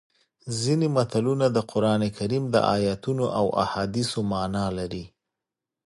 ځینې متلونه د قرانکریم د ایتونو او احادیثو مانا لري